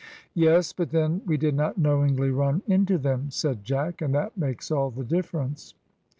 "Yes, but then we did not knowingly run into them," said Jack, "and that makes all the difference."